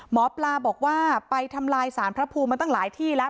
หมอปลาบอกว่าไปทำลายสารพระภูมิมาตั้งหลายที่แล้ว